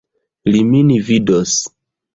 Li min vidos!